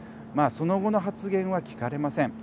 その後の発言は聞かれません。